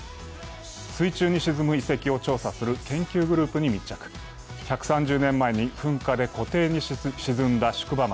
水中に沈む遺跡を調査する研究グループに密着１３０年前に噴火で湖底に沈んだ宿場町。